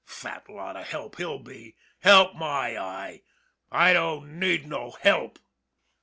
Fat lot of help he'll be help my eye ! I don't need no help."